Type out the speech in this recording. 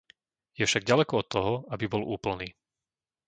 Je však ďaleko od toho, aby bol úplný.